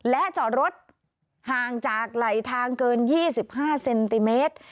และจอดรถห่างจากไหลทางเกิน๒๕เซนติเมตร